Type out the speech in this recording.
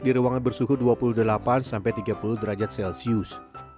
di ruangan bersuhu dua puluh delapan sampai tiga puluh derajat celcius